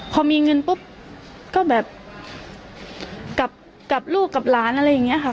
พอมีเงินปุ๊บก็แบบกับลูกกับหลานอะไรอย่างนี้ค่ะ